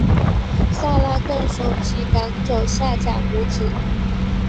撒拉更怂其赶走夏甲母子。